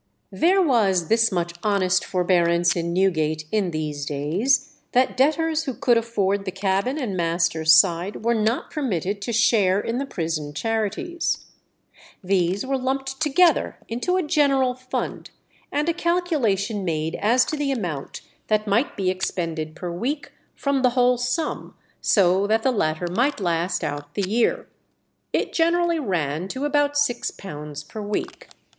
There was this much honest forbearance in Newgate in these days, that debtors who could afford the cabin and master's side were not permitted to share in the prison charities. These were lumped together into a general fund, and a calculation made as to the amount that might be expended per week from the whole sum, so that the latter might last out the year. It generally ran to about six pounds per week.